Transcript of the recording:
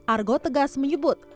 argo tegas menyebut